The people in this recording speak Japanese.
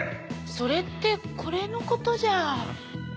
それってこれのことじゃ。